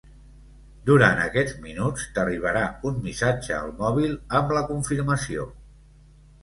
Durant aquests minuts t'arribarà un missatge al mòbil amb la confirmació.